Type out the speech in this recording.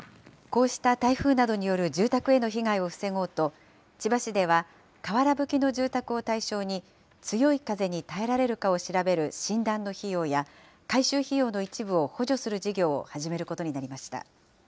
こうした台風などによる住宅への被害を防ごうと、千葉市では瓦ぶきの住宅を対象に、強い風に耐えられるかを調べる診断の費用や、改修費用の一部を補助する事業を始めることになりました。